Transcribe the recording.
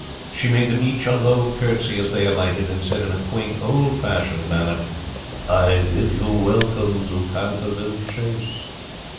She made them each a low curtsey as they alighted, and said in a quaint, old fashioned manner, "I bid you welcome to Canterville Chase."